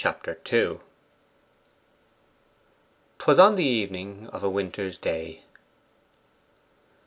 Chapter II 'Twas on the evening of a winter's day.